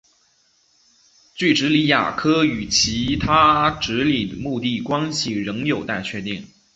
锯脂鲤亚科与其他脂鲤目的关系仍有待确定。